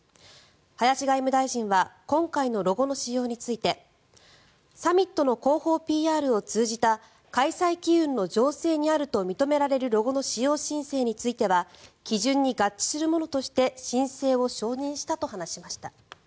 林外務大臣は今回のロゴの使用についてサミットの広報ＰＲを通じた開催機運の醸成にあると認められるロゴの使用申請については基準に合致するものとして申請を承認したと話しました。